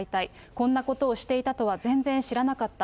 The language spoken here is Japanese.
こんなことをしていたとは全然知らなかった。